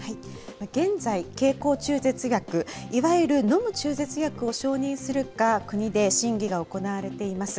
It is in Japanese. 現在、経口中絶薬、いわゆる飲む中絶薬を承認するか、国で審議が行われています。